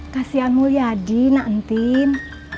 kasian mulia di na'antin